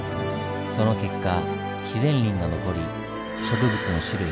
その結果自然林が残り植物の種類